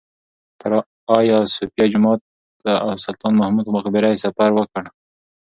پر ایا صوفیه جومات او سلطان محمود مقبره یې سفر وکړ.